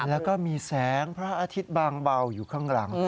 แล้วก็มีแสงพระอาทิตย์บางเบาอยู่ข้างหลัง